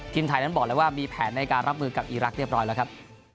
ทีมไทยนั้นบอกเลยว่ามีแผนในการรับมือกับอีรักษ์เรียบร้อยแล้วครับ